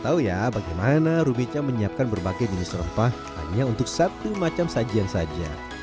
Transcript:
tahu ya bagaimana rubica menyiapkan berbagai jenis rempah hanya untuk satu macam sajian saja